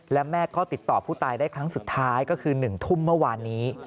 และแม่ก็ติดต่อผู้ตายได้ครั้งสุดท้ายก็คือ๑ทุ่มเมื่อวานนี้